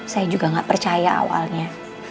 saya juga gak percaya awalnya